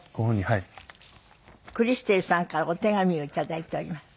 クリステルさんからお手紙を頂いております。